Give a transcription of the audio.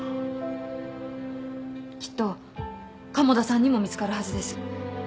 きっと鴨田さんにも見つかるはずです。